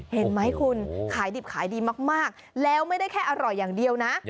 เห็นไหมคุณขายดิบขายดีมากแล้วไม่ได้แค่อร่อยอย่างเดียวนะ